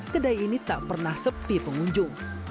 kedai ini tak pernah sepi pengunjung